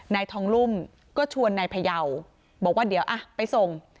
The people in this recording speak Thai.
นายทองลุ่มก็ชวนนายพยาวบอกว่าเดี๋ยวไปส่ง